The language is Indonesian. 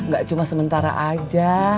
gak cuma sementara aja